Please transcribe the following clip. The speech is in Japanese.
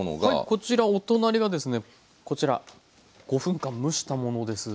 こちらお隣がですねこちら５分間蒸したものです。